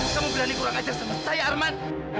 kau berani kurang ajar sama saya arman